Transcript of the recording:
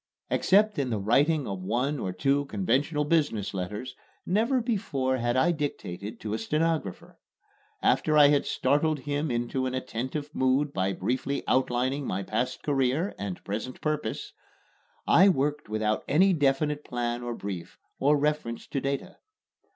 Except in the writing of one or two conventional business letters, never before had I dictated to a stenographer. After I had startled him into an attentive mood by briefly outlining my past career and present purpose, I worked without any definite plan or brief, or reference to data.